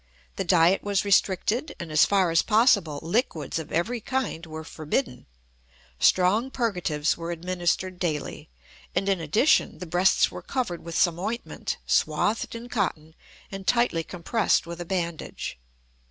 The diet was restricted, and as far as possible liquids of every kind were forbidden; strong purgatives were administered daily; and, in addition, the breasts were covered with some ointment, swathed in cotton, and tightly compressed with a bandage.